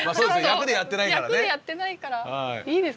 役でやってないからね。